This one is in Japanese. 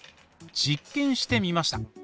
実験してみました。